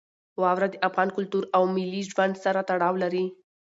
واوره د افغان کلتور او ملي ژوند سره تړاو لري.